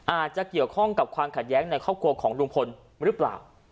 อาจจะเกี่ยวข้องกับความขัดแย้งในครอบครัวของลุงพลหรือเปล่า